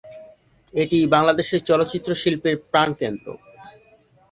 এটি বাংলাদেশের চলচ্চিত্র শিল্পের প্রাণকেন্দ্র।